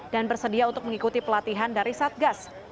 bersedia untuk mengikuti pelatihan dari satgas